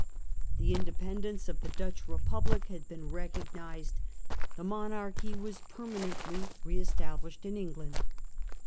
The independence of the Dutch Republic had been recognised. The monarchy was permanently re established in England.